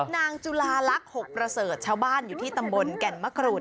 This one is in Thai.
นางจุลาลักษณ์๖ประเสริฐชาวบ้านอยู่ที่ตำบลแก่นมะกรูน